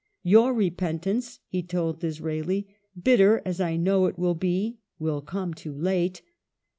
'* Your repentance," he told Disraeli, " bitter as I know it will be, will come too late."